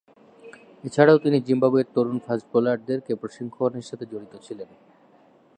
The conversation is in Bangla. এছাড়াও তিনি জিম্বাবুয়ের তরুণ ফাস্ট বোলারদেরকে প্রশিক্ষণের সাথে জড়িত ছিলেন।